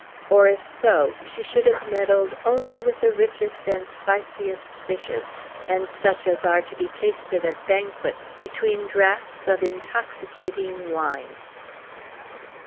Or, if so, she should have meddled only with the richest and spiciest dishes, and such as are to be tasted at banquets, between draughts of intoxicating wine.